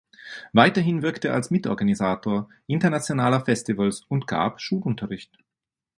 Weiterhin wirkte er als Mitorganisator internationaler Festivals und gab Schulunterricht.